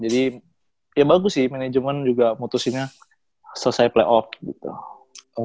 jadi ya bagus sih manajemen juga mutusinnya selesai playoff gitu